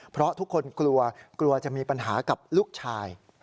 เพราะทุกคนกลัวกลัวจะมีปัญหากับลูกชาย